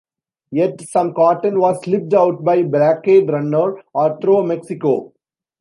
Yet, some cotton was slipped out by blockade runner, or through Mexico.